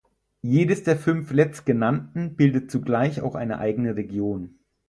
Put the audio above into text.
Jedes der fünf letztgenannten bildet zugleich auch eine eigene Region.